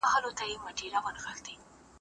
ټولنه کیدای سي له منځه ولاړه سي.